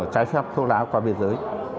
trái phép thuốc lá qua biên giới